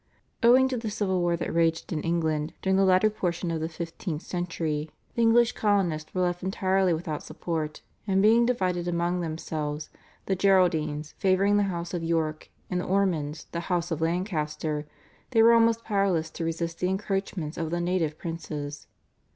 Owing to the civil war that raged in England during the latter portion of the fifteenth century the English colonists were left entirely without support, and being divided among themselves, the Geraldines favouring the House of York, and the Ormonds, the House of Lancaster, they were almost powerless to resist the encroachments of the native princes.